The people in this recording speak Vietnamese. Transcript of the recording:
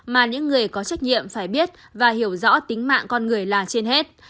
mà những người có trách nhiệm phải biết và hiểu rõ tính mạng con người là trên hết